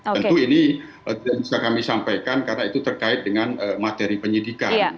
tentu ini tidak bisa kami sampaikan karena itu terkait dengan materi penyidikan